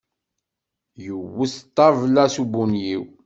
Iwet ṭṭabla-s ubunyiw.